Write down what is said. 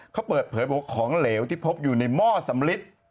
เขาเปิดเผยบอกว่าของเหลวที่พบอยู่ในหม้อสำลิด